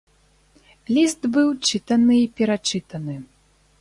Ліст быў чытаны і перачытаны.